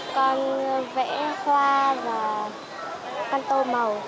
con vẽ khoa và con tô màu